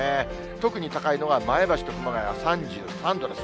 特に高いのが前橋と熊谷３３度です。